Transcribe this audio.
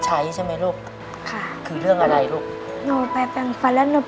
ในแคมเปญพิเศษเกมต่อชีวิตโรงเรียนของหนู